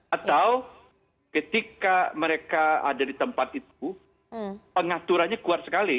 atau ketika mereka ada di tempat itu pengaturannya kuat sekali